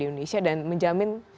indonesia dan menjamin